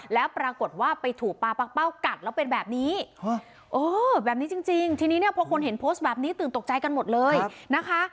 แล้วปรากฏว่าไปถูกปลาปังเป้ากัดแล้วเป็นแบบนี้แบบนี้จริงทีนี้เนี่ยพอคนเห็นโพสต์แบบนี้ตื่นตกใจกันหมดเลยนะคะ